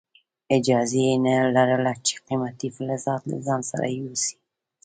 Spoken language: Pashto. اجازه یې نه لرله چې قیمتي فلزات له ځان سره یوسي.